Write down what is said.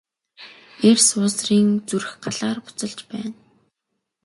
Эр суусрын зүрх Галаар буцалж байна.